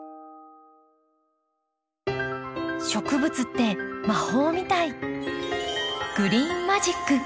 植物って魔法みたい。